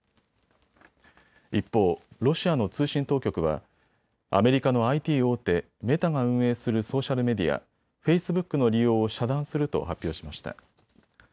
一方、ロシアの通信当局はアメリカのＩＴ大手、メタが運営するソーシャルメディア、フェイスブックの利用を遮断すると発表しました。